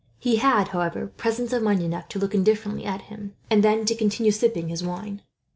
He had, however, presence of mind enough to look indifferently at him, and then to continue sipping his wine.